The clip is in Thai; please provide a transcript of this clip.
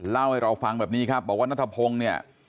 เล่าให้เราฟังแบบนี้ครับบอกว่านัทพงศ์เนี่ย